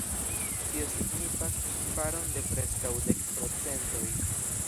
Tio signifas ŝparon de preskaŭ dek procentoj.